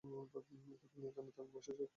তুমি এখানে তামিল ভাষায় কথা বলেছ।